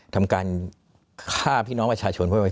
ทำการฆ่าพี่น้องประชาชน